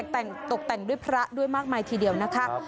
แต่ตกแต่งด้วยพระด้วยมากมายทีเดียวนะคะ